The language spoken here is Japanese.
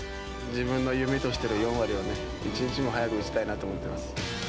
自分の夢としている４割、一日も早く打ちたいなと思ってます。